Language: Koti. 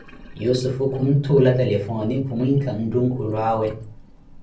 Yussufu kuntula telefone khumwinka ntuunkulwaawe.